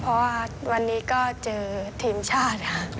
เพราะว่าวันนี้ก็เจอทีมชาติค่ะ